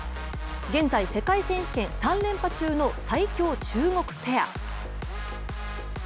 現在、世界選手権３連覇中の最強中国ペア。